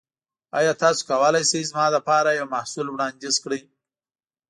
ایا تاسو کولی شئ زما لپاره یو محصول وړاندیز کړئ؟